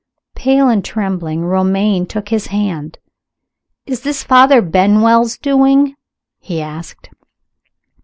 Pale and trembling, Romayne took his hand. "Is this Father Benwell's doing?" he asked.